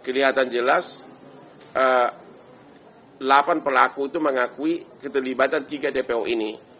kelihatan jelas delapan pelaku itu mengakui keterlibatan tiga dpo ini